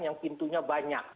yang pintunya banyak